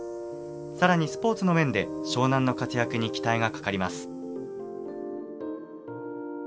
さらにスポーツの面で樟南の活躍に期待がかかります。